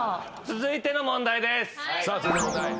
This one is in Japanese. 続いての問題です。